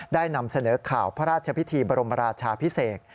นำเสนอข่าวพระราชพิธีบรมราชาพิเศษ